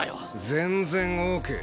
全然オーケー。